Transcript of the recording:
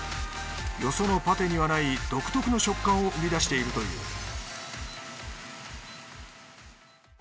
よそのパテにはない独特の食感を生み出しているという